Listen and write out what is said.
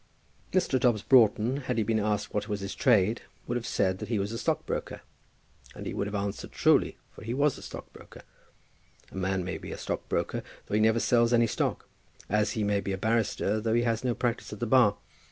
Mr. Dobbs Broughton, had he been asked what was his trade, would have said that he was a stockbroker; and he would have answered truly, for he was a stockbroker. A man may be a stockbroker though he never sells any stock; as he may be a barrister though he has no practice at the bar.